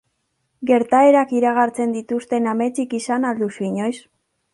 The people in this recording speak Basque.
Gertaerak iragartzen dituzten ametsik izan al duzu inoiz?